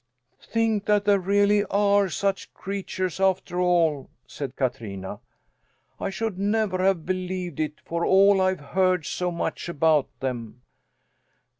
"Think that there really are such creatures after all!" said Katrina. "I should never have believed it, for all I've heard so much about them."